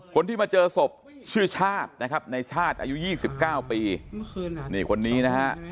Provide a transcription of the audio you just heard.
คนที่มาเจอศพชื่อชาตินะครับในชาติอายุ๒๙ปีนี่คนนี้นะฮะ